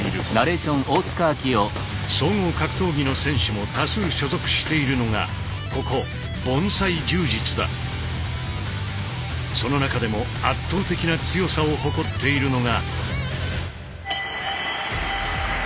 総合格闘技の選手も多数所属しているのがここその中でも圧倒的な強さを誇っているのが。